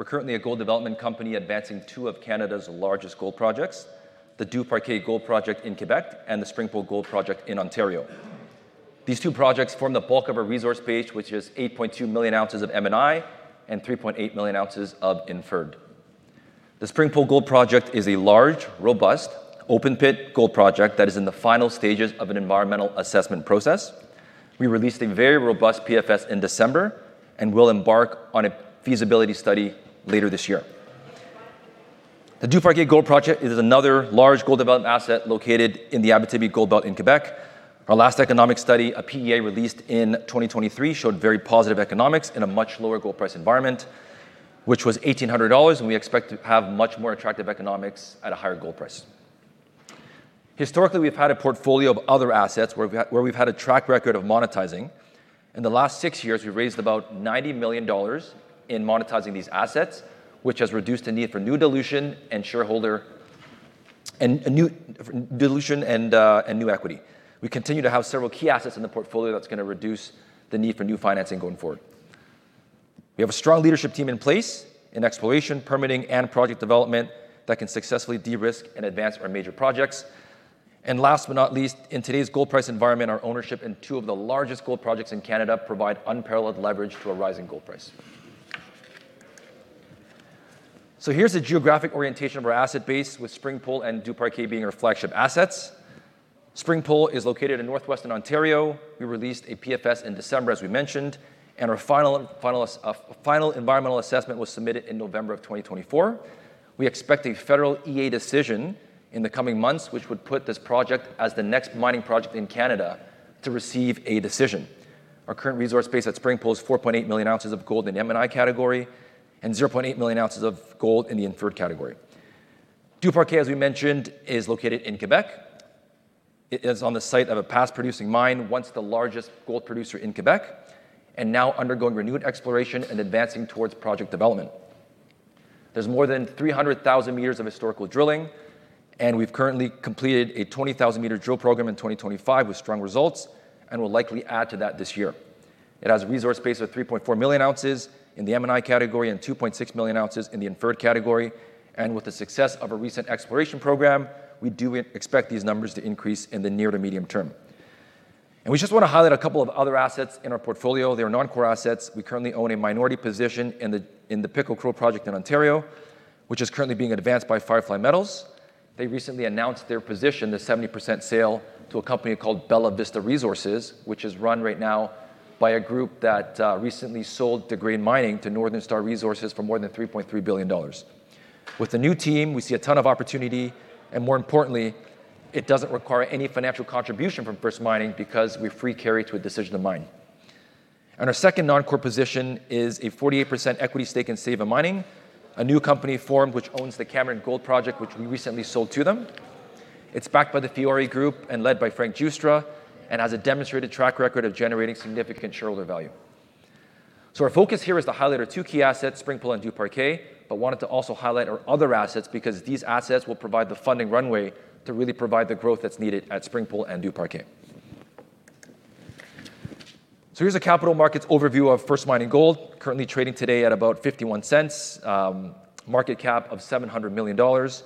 We're currently a gold development company advancing two of Canada's largest gold projects, the Duparquet Gold Project in Quebec and the Springpole Gold Project in Ontario. These two projects form the bulk of our resource base, which is 8.2 million ounces of M&I and 3.8 million ounces of Inferred. The Springpole Gold Project is a large, robust, open-pit gold project that is in the final stages of an environmental assessment process. We released a very robust PFS in December and will embark on a feasibility study later this year. The Duparquet Gold Project is another large gold development asset located in the Abitibi gold belt in Quebec. Our last economic study, a PEA released in 2023, showed very positive economics in a much lower gold price environment, which was $1,800, and we expect to have much more attractive economics at a higher gold price. Historically, we've had a portfolio of other assets where we've had a track record of monetizing. In the last six years, we've raised about 90 million dollars in monetizing these assets, which has reduced the need for new dilution and new equity. We continue to have several key assets in the portfolio that's going to reduce the need for new financing going forward. We have a strong leadership team in place in exploration, permitting, and project development that can successfully de-risk and advance our major projects. Last but not least, in today's gold price environment, our ownership in two of the largest gold projects in Canada provide unparalleled leverage to a rising gold price. Here's the geographic orientation of our asset base, with Springpole and Duparquet being our flagship assets. Springpole is located in northwestern Ontario. We released a PFS in December, as we mentioned, and our final environmental assessment was submitted in November of 2024. We expect a federal EA decision in the coming months, which would put this project as the next mining project in Canada to receive a decision. Our current resource base at Springpole is 4.8 million ounces of gold in M&I category and 0.8 million ounces of gold in the Inferred category. Duparquet, as we mentioned, is located in Quebec. It is on the site of a past-producing mine, once the largest gold producer in Quebec, and now undergoing renewed exploration and advancing towards project development. There's more than 300,000 meters of historical drilling, and we've currently completed a 20,000-meter drill program in 2025 with strong results and will likely add to that this year. It has a resource base of 3.4 million ounces in the M&I category and 2.6 million ounces in the Inferred category. And with the success of a recent exploration program, we do expect these numbers to increase in the near to medium term. And we just want to highlight a couple of other assets in our portfolio. They are non-core assets. We currently own a minority position in the Pickle Crow project in Ontario, which is currently being advanced by Firefly Metals. They recently announced their position, the 70% sale to a company called Bellavista Resources, which is run right now by a group that recently sold De Grey Mining to Northern Star Resources for more than $3.3 billion. With the new team, we see a ton of opportunity, and more importantly, it doesn't require any financial contribution from First Mining because we free carry to a decision to mine. Our second non-core position is a 48% equity stake in Seva Mining, a new company formed which owns the Cameron Gold Project, which we recently sold to them. It's backed by the Fiore Group and led by Frank Giustra and has a demonstrated track record of generating significant shareholder value. Our focus here is to highlight our two key assets, Springpole and Duparquet, but wanted to also highlight our other assets because these assets will provide the funding runway to really provide the growth that's needed at Springpole and Duparquet. Here's a capital markets overview of First Mining Gold, currently trading today at about 0.51, market cap of 700 million dollars,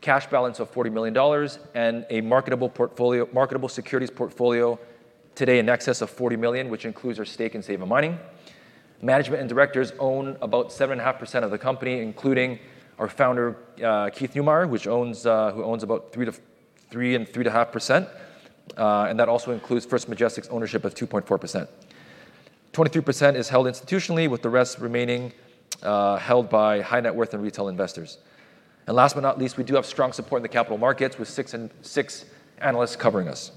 cash balance of 40 million dollars, and a marketable securities portfolio today in excess of 40 million, which includes our stake in Seva Mining. Management and directors own about 7.5% of the company, including our founder, Keith Neumeyer, who owns about three and 3.5%, and that also includes First Majestic's ownership of 2.4%. 23% is held institutionally, with the rest remaining held by high net worth and retail investors. And last but not least, we do have strong support in the capital markets with six analysts covering us,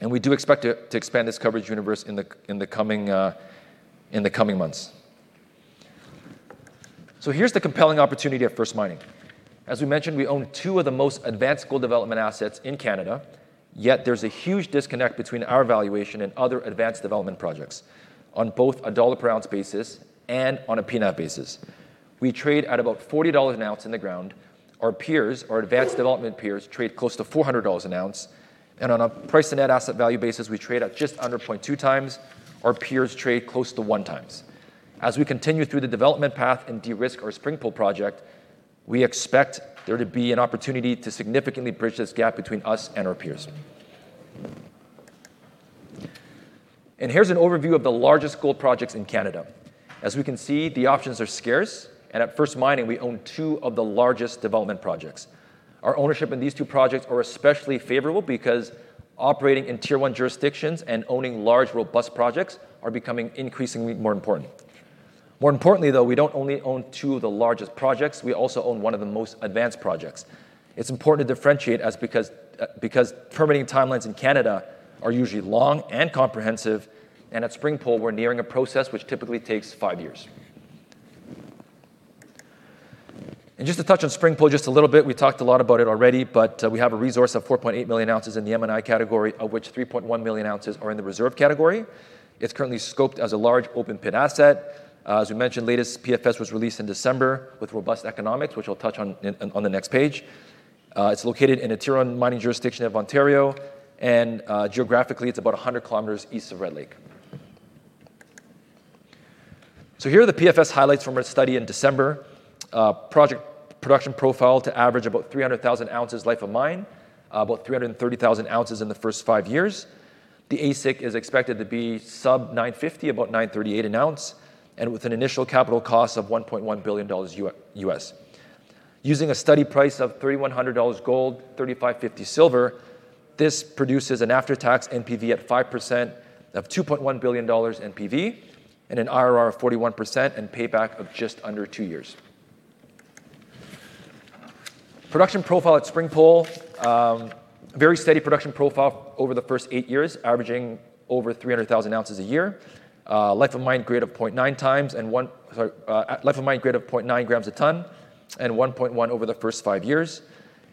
and we do expect to expand this coverage universe in the coming months. So here's the compelling opportunity at First Mining. As we mentioned, we own two of the most advanced gold development assets in Canada, yet there's a huge disconnect between our valuation and other advanced development projects on both a dollar per ounce basis and on a P/NET basis. We trade at about $40 an ounce in the ground. Our peers, our advanced development peers, trade close to $400 an ounce. On a Price to Net Asset Value basis, we trade at just under 0.2x. Our peers trade close to 1x. As we continue through the development path and de-risk our Springpole project, we expect there to be an opportunity to significantly bridge this gap between us and our peers. Here's an overview of the largest gold projects in Canada. As we can see, the options are scarce, and at First Mining, we own two of the largest development projects. Our ownership in these two projects are especially favorable because operating in Tier 1 jurisdictions and owning large, robust projects are becoming increasingly more important. More importantly, though, we don't only own two of the largest projects, we also own one of the most advanced projects. It's important to differentiate because permitting timelines in Canada are usually long and comprehensive, and at Springpole, we're nearing a process which typically takes five years. Just to touch on Springpole just a little bit. We talked a lot about it already, but we have a resource of 4.8 million ounces in the M&I category, of which 3.1 million ounces are in the Reserve category. It's currently scoped as a large open-pit asset. As we mentioned, latest PFS was released in December with robust economics, which I'll touch on in the next page. It's located in a tier-one mining jurisdiction of Ontario, and geographically, it's about 100 km east of Red Lake. Here are the PFS highlights from our study in December. Project production profile to average about 300,000 ounces life of mine, about 330,000 ounces in the first five years. The AISC is expected to be sub 950, about 938 an ounce, and with an initial capital cost of $1.1 billion US. Using a study price of 3,100 dollars gold, 3,550 silver, this produces an after-tax NPV at 5% of 2.1 billion dollars NPV and an IRR of 41% and payback of just under two years. Production profile at Springpole, very steady production profile over the first eight years, averaging over 300,000 ounces a year. Life of mine grade of 0.9 grams a tonne and 1.1 over the first five years.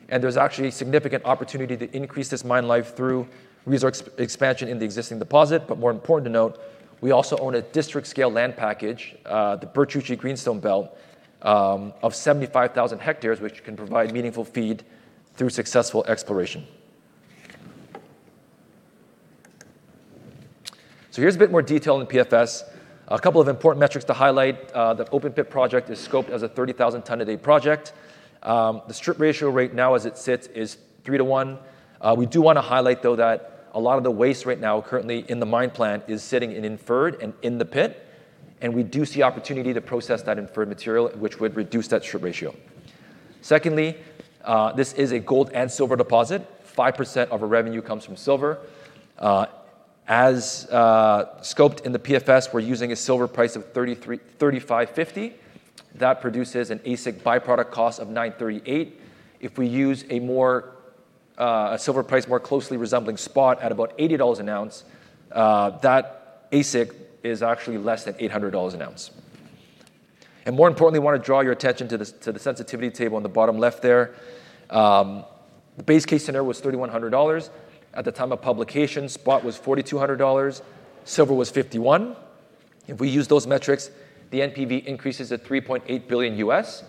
There's actually significant opportunity to increase this mine life through resource expansion in the existing deposit. More important to note, we also own a district-scale land package, the Birch-Uchi Greenstone Belt, of 75,000 hectares, which can provide meaningful feed through successful exploration. Here's a bit more detail on the PFS. A couple of important metrics to highlight. The open pit project is scoped as a 30,000 tonne a day project. The strip ratio right now as it sits is 3/1. We do want to highlight, though, that a lot of the waste right now currently in the mine plan is sitting in Inferred and in the pit. We do see opportunity to process that Inferred material, which would reduce that strip ratio. Secondly, this is a gold and silver deposit. 5% of our revenue comes from silver. As scoped in the PFS, we're using a silver price of $3,550. That produces an AISC byproduct cost of $938. If we use a silver price more closely resembling spot at about $80 an ounce, that AISC is actually less than $800 an ounce. More importantly, I want to draw your attention to the sensitivity table on the bottom left there. The base case scenario was $3,100. At the time of publication, spot was $4,200. Silver was $51. If we use those metrics, the NPV increases at $3.8 billion US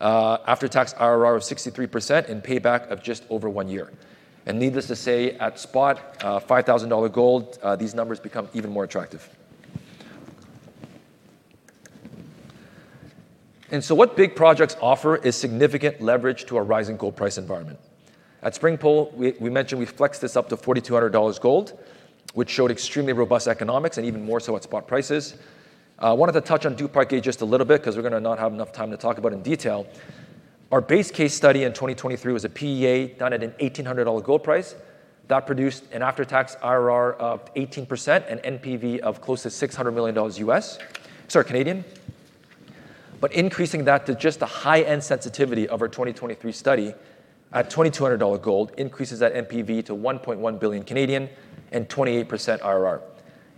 after tax IRR of 63% and payback of just over one year. And needless to say, at spot $5,000 gold, these numbers become even more attractive. And so what big projects offer is significant leverage to a rising gold price environment. At Springpole, we mentioned we've flexed this up to $4,200 gold, which showed extremely robust economics and even more so at spot prices. I wanted to touch on DuParquet just a little bit because we're going to not have enough time to talk about in detail. Our base case study in 2023 was a PEA done at an $1,800 gold price. That produced an after-tax IRR of 18% and NPV of close to $600 million Canadian. Increasing that to just the high-end sensitivity of our 2023 study at 2,200 dollar gold increases that NPV to 1.1 billion Canadian and 28% IRR.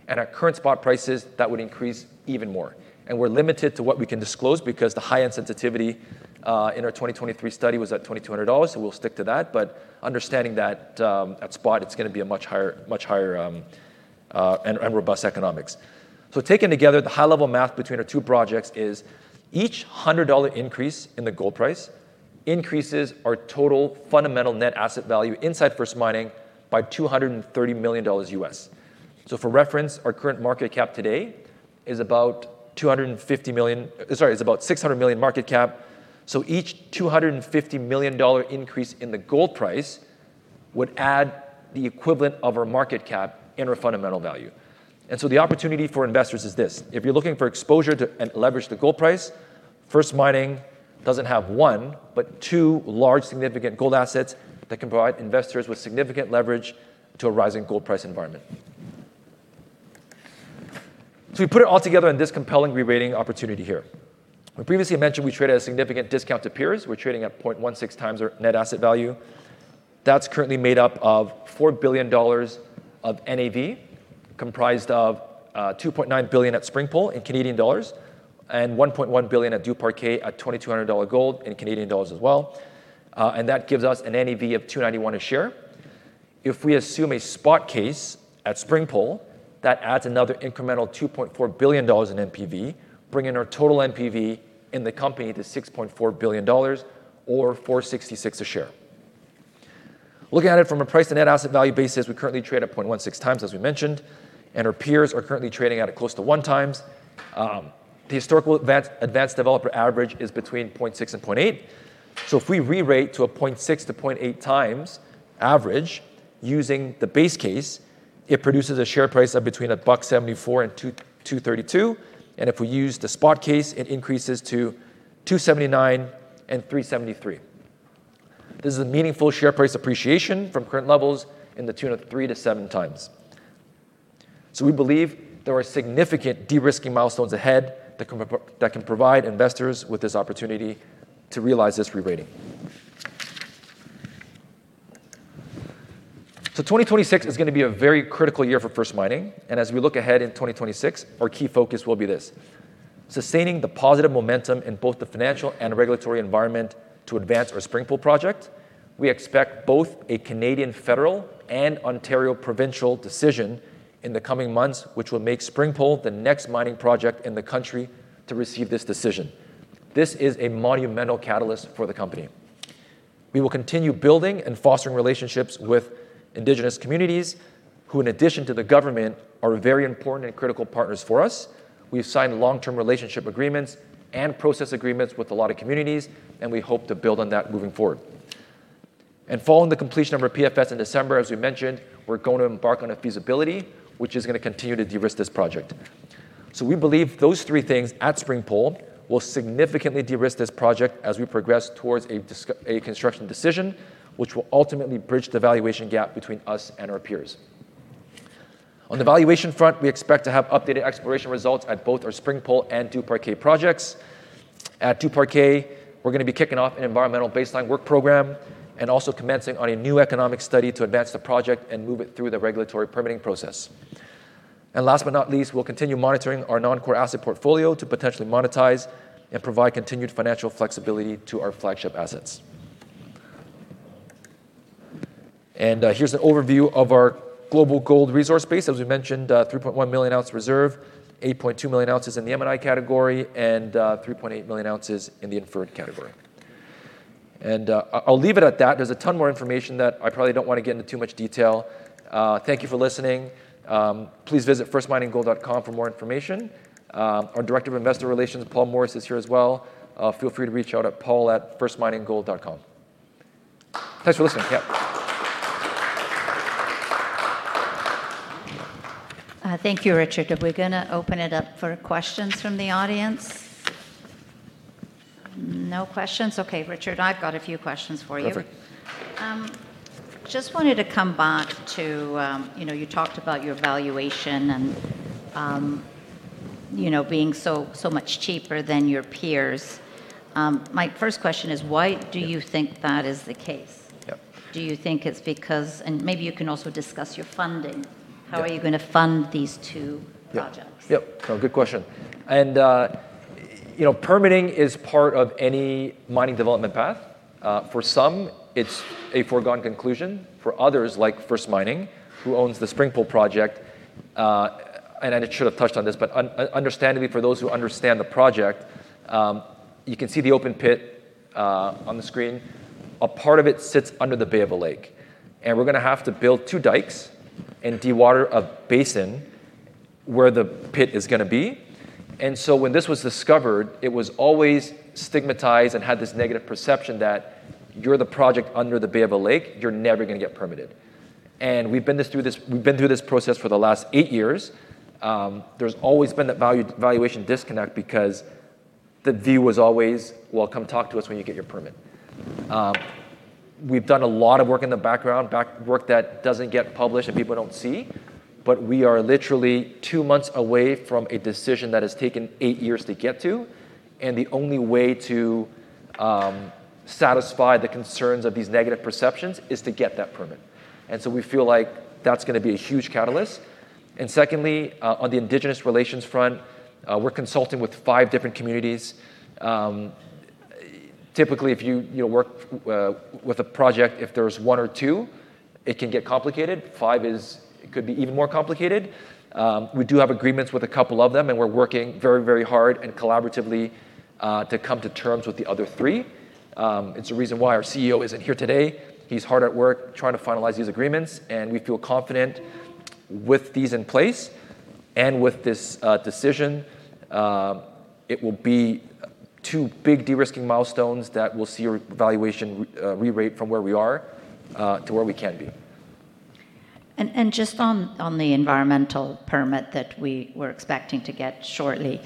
At our current spot prices, that would increase even more. We're limited to what we can disclose because the high-end sensitivity in our 2023 study was at 2,200 dollars, so we'll stick to that, understanding that at spot, it's going to be a much higher and robust economics. Taken together, the high-level math between our two projects is each 100 dollar increase in the gold price increases our total fundamental net asset value inside First Mining by $230 million U.S. For reference, our current market cap today is about 600 million market cap. Each 250 million dollar increase in the gold price would add the equivalent of our market cap in our fundamental value. The opportunity for investors is this. If you're looking for exposure to leverage the gold price, First Mining doesn't have one, but two large significant gold assets that can provide investors with significant leverage to a rising gold price environment. We put it all together in this compelling re-rating opportunity here. I previously mentioned we trade at a significant discount to peers. We're trading at 0.16x our Net Asset Value. That's currently made up of 4 billion dollars of NAV, comprised of 2.9 billion at Springpole in Canadian dollars and 1.1 billion at Duparquet at 2,200 dollar gold in Canadian dollars as well. That gives us an NAV of 2.91 a share. If we assume a spot case at Springpole, that adds another incremental 2.4 billion dollars in NPV, bringing our total NPV in the company to 6.4 billion dollars or 4.66 a share. Looking at it from a price to net asset value basis, we currently trade at 0.16x, as we mentioned, and our peers are currently trading at a close to 1x. The historical advanced developer average is between 0.6x and 0.8x. If we re-rate to a 0.6x-0.8x average using the base case, it produces a share price of between 1.74 and 2.32. If we use the spot case, it increases to 2.79 and 3.73. This is a meaningful share price appreciation from current levels in the tune of 3x-7x. We believe there are significant de-risking milestones ahead that can provide investors with this opportunity to realize this re-rating. 2026 is going to be a very critical year for First Mining. As we look ahead in 2026, our key focus will be this, sustaining the positive momentum in both the financial and regulatory environment to advance our Springpole project. We expect both a Canadian federal and Ontario provincial decision in the coming months, which will make Springpole the next mining project in the country to receive this decision. This is a monumental catalyst for the company. We will continue building and fostering relationships with Indigenous communities who, in addition to the government, are very important and critical partners for us. We've signed long-term relationship agreements and process agreements with a lot of communities, and we hope to build on that moving forward. Following the completion of our PFS in December, as we mentioned, we're going to embark on a feasibility, which is going to continue to de-risk this project. We believe those three things at Springpole will significantly de-risk this project as we progress towards a construction decision, which will ultimately bridge the valuation gap between us and our peers. On the valuation front, we expect to have updated exploration results at both our Springpole and Duparquet projects. At Duparquet, we're going to be kicking off an environmental baseline work program and also commencing on a new economic study to advance the project and move it through the regulatory permitting process. Last but not least, we'll continue monitoring our non-core asset portfolio to potentially monetize and provide continued financial flexibility to our flagship assets. Here's an overview of our global gold resource base. As we mentioned, 3.1 million ounce reserve, 8.2 million ounces in the M&I category, and 3.8 million ounces in the Inferred category. I'll leave it at that. There's a ton more information that I probably don't want to get into too much detail. Thank you for listening. Please visit firstmininggold.com for more information. Our Director of Investor Relations, Paul Morris, is here as well. Feel free to reach out at paul@firstmininggold.com. Thanks for listening. Yeah. Thank you, Richard. We're going to open it up for questions from the audience. No questions? Okay, Richard, I've got a few questions for you. Perfect. just wanted to come back to. You talked about your valuation and being so much cheaper than your peers. My first question is, why do you think that is the case? Yep. Maybe you can also discuss your funding. Yep. How are you going to fund these two projects? Yep. No, good question. Permitting is part of any mining development path. For some, it's a foregone conclusion. For others, like First Mining, who owns the Springpole Project, I should have touched on this. Understandably, for those who understand the project, you can see the open pit on the screen. A part of it sits under the bay of a lake. We're going to have to build two dikes and dewater a basin where the pit is going to be. When this was discovered, it was always stigmatized and had this negative perception that you're the project under the bay of a lake, you're never going to get permitted. We've been through this process for the last eight years. There's always been that valuation disconnect because the view was always, "Well, come talk to us when you get your permit." We've done a lot of work in the background, work that doesn't get published and people don't see, but we are literally two months away from a decision that has taken eight years to get to. The only way to satisfy the concerns of these negative perceptions is to get that permit. We feel like that's going to be a huge catalyst. Secondly, on the Indigenous relations front, we're consulting with five different communities. Typically, if you work with a project, if there's one or two, it can get complicated. Five is, it could be even more complicated. We do have agreements with a couple of them, and we're working very hard and collaboratively to come to terms with the other three. It's a reason why our CEO isn't here today. He's hard at work trying to finalize these agreements, and we feel confident with these in place and with this decision, it will be two big de-risking milestones that will see our valuation rerate from where we are to where we can be. Just on the environmental permit that we were expecting to get shortly,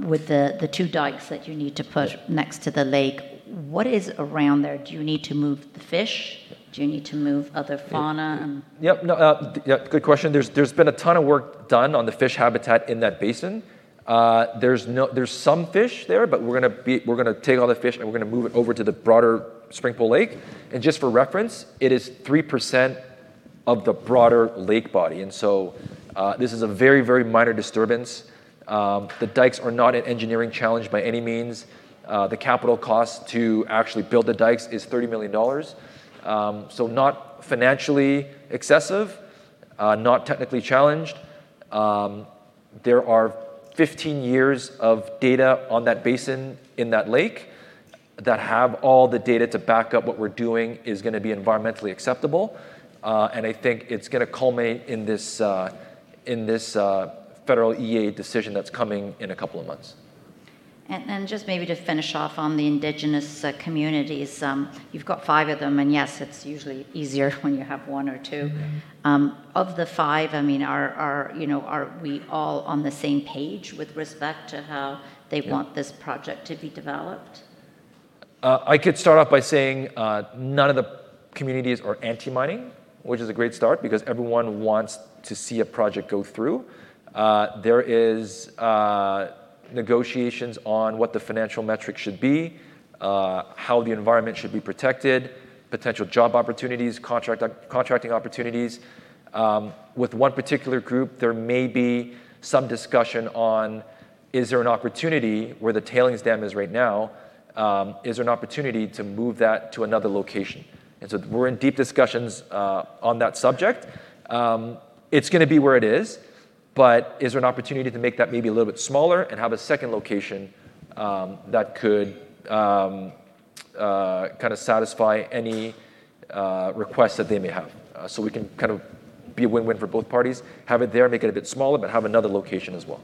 with the two dikes that you need to put next to the lake, what is around there? Do you need to move the fish? Do you need to move other fauna? Yep, no. Yep, good question. There's been a ton of work done on the fish habitat in that basin. There's some fish there, but we're going to take all the fish and we're going to move it over to the broader Springpole Lake. Just for reference, it is 3% of the broader lake body. This is a very minor disturbance. The dikes are not an engineering challenge by any means. The capital cost to actually build the dikes is 30 million dollars. Not financially excessive. Not technically challenged. There are 15 years of data on that basin in that lake that have all the data to back up what we're doing is going to be environmentally acceptable. I think it's going to culminate in this federal EA decision that's coming in a couple of months. Just maybe to finish off on the Indigenous communities, you've got five of them, and yes, it's usually easier when you have one or two. Of the five, are we all on the same page with respect to how they want this project to be developed? I could start off by saying none of the communities are anti-mining, which is a great start because everyone wants to see a project go through. There is negotiations on what the financial metrics should be, how the environment should be protected, potential job opportunities, contracting opportunities. With one particular group, there may be some discussion on is there an opportunity where the tailings dam is right now, is there an opportunity to move that to another location? We're in deep discussions on that subject. It's going to be where it is, but is there an opportunity to make that maybe a little bit smaller and have a second location that could kind of satisfy any requests that they may have? We can kind of be a win-win for both parties, have it there, make it a bit smaller, but have another location as well.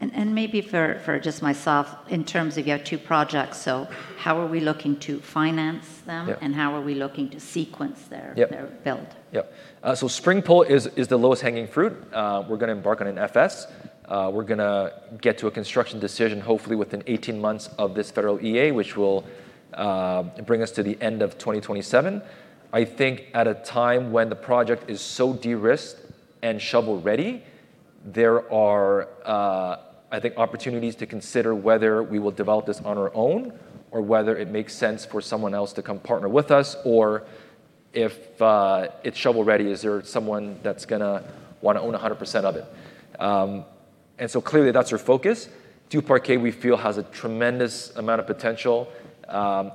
Maybe for just myself, in terms of your two projects, how are we looking to finance them? Yeah. How are we looking to sequence there? Yep Their build? Yep. Springpole is the lowest hanging fruit. We're going to embark on an FS. We're going to get to a construction decision hopefully within 18 months of this federal EA, which will bring us to the end of 2027. I think at a time when the project is so de-risked and shovel-ready, there are I think opportunities to consider whether we will develop this on our own or whether it makes sense for someone else to come partner with us. If it's shovel-ready, is there someone that's going to want to own 100% of it? Clearly that's our focus. Duparquet we feel has a tremendous amount of potential.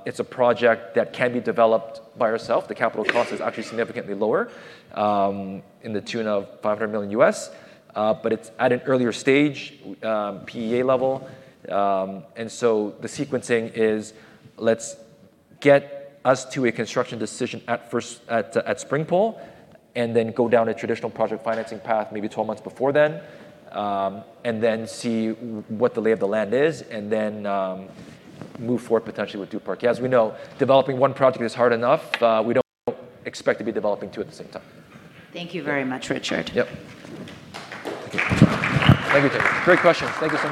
It's a project that can be developed by ourself. The capital cost is actually significantly lower, in the tune of $500 million US. It's at an earlier stage, PEA level. And so the sequencing is let's get us to a construction decision at Springpole, and then go down a traditional project financing path maybe 12 months before then. And then see what the lay of the land is, and then move forward potentially with DuParquet. As we know, developing one project is hard enough. We don't expect to be developing two at the same time. Thank you very much, Richard. Yep. Thank you. Great questions. Thank you so much.